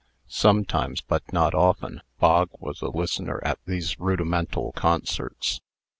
Sometimes, but not often, Bog was a listener at these rudimental concerts.